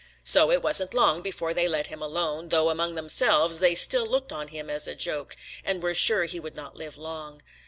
So it wasn't long before they let him alone, though among themselves they still looked on him as a joke and were sure he would not live long.